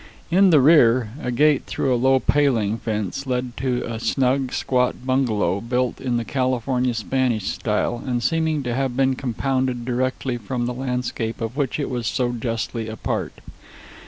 In the rear, a gate through a low paling fence led to a snug, squat bungalow, built in the California Spanish style and seeming to have been compounded directly from the landscape of which it was so justly a part.